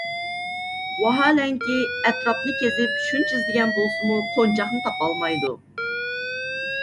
ۋاھالەنكى، ئەتراپنى كېزىپ شۇنچە ئىزدىگەن بولسىمۇ، قونچاقنى تاپالمايدۇ.